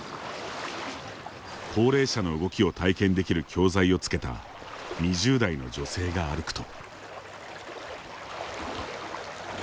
高齢者の動きを体験できる教材を付けた２０代の女性が歩くと。